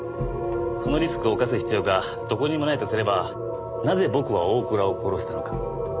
そのリスクを冒す必要がどこにもないとすればなぜ僕は大倉を殺したのか？